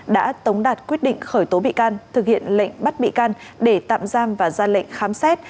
đã tống đạt quyết định khởi tố bị can thực hiện lệnh bắt bị can để tạm giam và ra lệnh khám xét